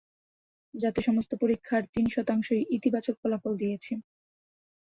যাতে সমস্ত পরীক্ষার তিন শতাংশ ইতিবাচক ফলাফল দিয়েছে।